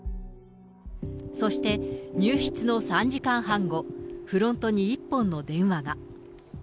そして入室の３時間半後、フロントに一本の電話が。